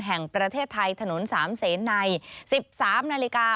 แห่งประเทศไทยถนน๓เสนใน๑๓นาฬิกา